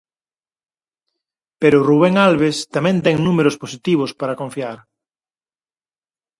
Pero Rubén Albés tamén ten números positivos para confiar.